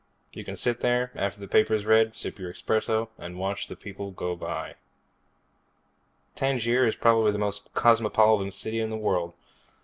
You can sit there, after the paper's read, sip your expresso and watch the people go by. Tangier is possibly the most cosmopolitan city in the world.